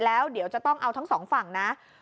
แล้วเดี๋ยวจะต้องเอาทั้งสองฝั่งนะ